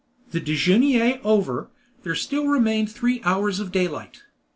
The dejeuner over, there still remained three hours of daylight.